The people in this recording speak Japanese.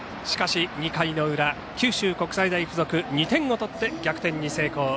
しかし２回裏九州国際大付属が２点を取って逆転に成功。